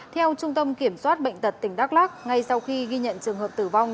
theo trung tâm kiểm soát bệnh tật tỉnh đắk lắc ngay sau khi ghi nhận trường hợp tử vong